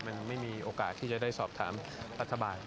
มันไม่มีโอกาสที่จะได้สอบถามรัฐบาล